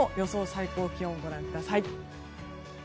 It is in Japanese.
最高気温ご覧ください。